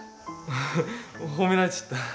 ヘヘ褒められちゃった。